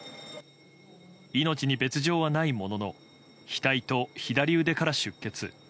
命に別状はないものの額と左腕から出血。